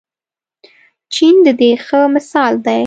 چین د دې ښه مثال دی.